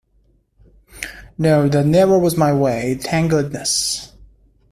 No, that never was my way, thank goodness.